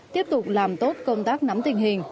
tiếp tục làm tốt công tác nắm tình hình